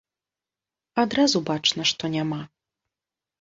Адразу бачна, што няма.